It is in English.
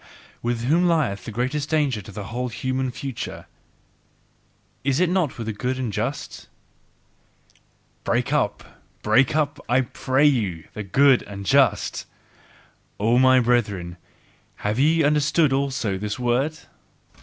With whom lieth the greatest danger to the whole human future? Is it not with the good and just? BREAK UP, BREAK UP, I PRAY YOU, THE GOOD AND JUST! O my brethren, have ye understood also this word?